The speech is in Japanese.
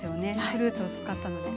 フルーツを使ったので。